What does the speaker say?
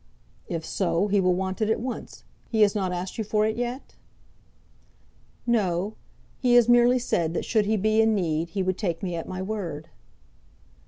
"If so, he will want it at once. He has not asked you for it yet?" "No; he has merely said that should he be in need he would take me at my word."